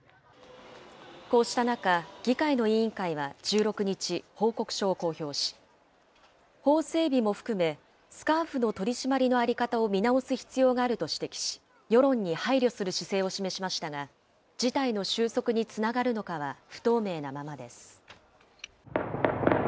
こうした中、議会の委員会は１６日、報告書を公表し、法整備も含め、スカーフの取締りの在り方を見直す必要があると指摘し、世論に配慮する姿勢を示しましたが、事態の収束につながるのかは不透明なままです。